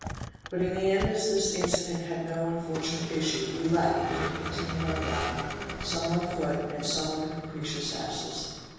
But, in the end as this incident had no unfortunate issue, we laughed, and continued our route, some on foot and some on the capricious asses.